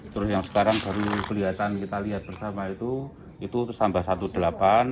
terus yang sekarang baru kelihatan kita lihat bersama itu itu tambah satu delapan